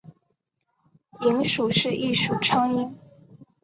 蝇属是一属苍蝇。